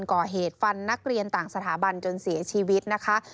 ก่อเหตุฟันนักเรียนต่างสถาบันจนเสียชีวิตนะคะ